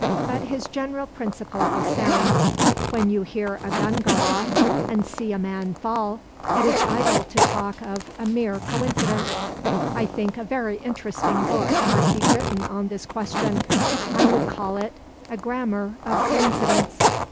But his general principle was sound; when you hear a gun go off and see a man fall it is idle to talk of 'a mere coincidence.' I think a very interesting book might be written on this question: I would call it 'A Grammar of Coincidence.